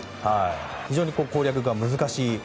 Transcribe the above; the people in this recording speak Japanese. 非常に攻略が難しい。